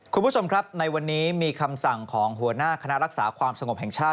คุณผู้ชมครับในวันนี้มีคำสั่งของหัวหน้าคณะรักษาความสงบแห่งชาติ